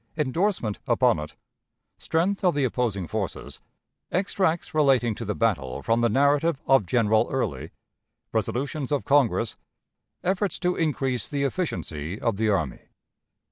Endorsement upon it. Strength of the Opposing Forces. Extracts relating to the Battle, from the Narrative of General Early. Resolutions of Congress. Efforts to increase the Efficiency of the Army.